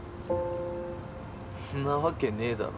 んなわけねぇだろ。